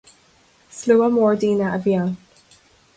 Slua mór daoine a bhí ann.